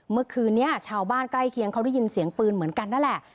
เมื่อคืนนี้ชาวบ้านใกล้เคียงเขาได้ยินเสียงปืนเหมือนกันนั่นแหละ